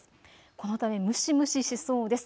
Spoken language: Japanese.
このため蒸し蒸ししそうです。